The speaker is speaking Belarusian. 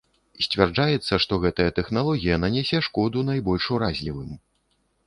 Сцвярджаецца, што гэтая тэхналогія нанясе шкоду найбольш уразлівым.